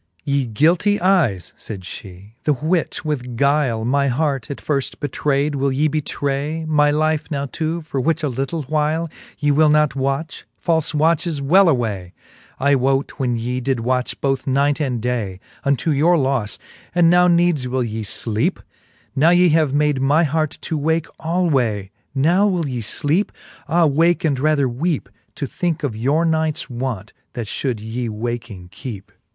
XXV. Ye guilty eyes, fayd fhe, the which with guyle My heart at firft betrayd, will ye betray My life now to, for which a little whyle Ye will not watch ? falfe watches, well away, I wote when ye did watch both night and day Unto your lofle ; and now needes will ye fleepe ? Now ye have made my heart to wake alway, Now will ye fleepe ? Ah wake, and rather weepe, To thinke of your nights want, that fhould yee waking kecpe.